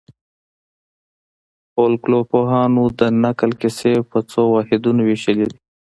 فولکلورپوهانو د نکل کیسې په څو واحدونو وېشلي دي.